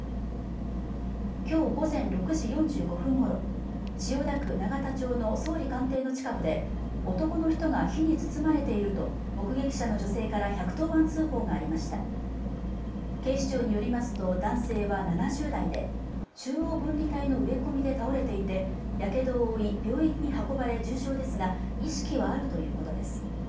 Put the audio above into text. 今日午前６時４５分ごろ千代田区永田町の総理官邸の近くで男の人が火に包まれていると目撃者の女性から１１０番通報がありました警視庁によりますと男性は７０代で中央分離帯の植え込みで倒れていてやけどを負い病院に運ばれ重傷ですが意識はあるということです